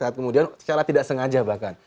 saat kemudian secara tidak sengaja bahkan